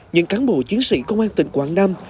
những cán bộ chiến sĩ công an tỉnh quảng nam